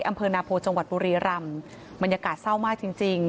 อำเภอนาโพจังหวัดบุรีรำบรรยากาศเศร้ามากจริงจริง